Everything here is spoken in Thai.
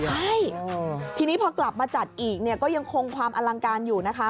ใช่ทีนี้พอกลับมาจัดอีกเนี่ยก็ยังคงความอลังการอยู่นะคะ